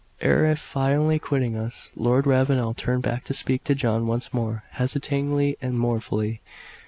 Ere finally quitting us, Lord Ravenel turned back to speak to John once more, hesitatingly and mournfully.